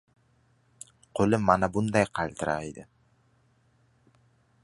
Qo‘li mana bunday qaltiraydi!